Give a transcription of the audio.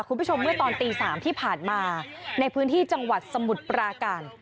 คุณผู้ชมเมื่อตอนตี๓ที่ผ่านมาในพื้นที่จังหวัดสมุทรปราการ